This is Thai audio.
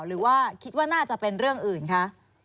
หรือว่าคิดว่าน่าจะเป็นเรื่องอื่นคะ